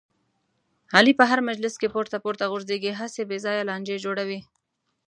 علي په هر مجلس کې پورته پورته غورځېږي، هسې بې ځایه لانجې جوړوي.